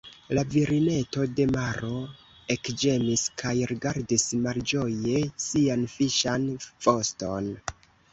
La virineto de maro ekĝemis kaj rigardis malĝoje sian fiŝan voston.